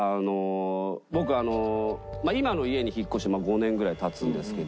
僕今の家に引っ越して５年ぐらい経つんですけど。